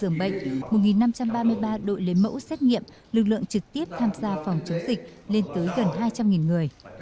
một nghìn năm trăm ba mươi ba đội lấy mẫu xét nghiệm lực lượng trực tiếp tham gia phòng chống dịch lên tới gần hai trăm linh người